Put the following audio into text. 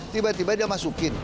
tiba tiba dia masukin